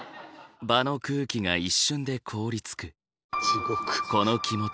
場の空気が一瞬で凍りつく。